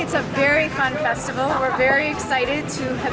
saya pikir ini adalah festival yang sangat menyenangkan